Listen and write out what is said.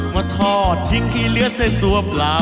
มาทอดทิ้งขี้เลือดด้วยตัวปลา